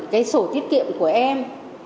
cái sổ tiết kiệm của em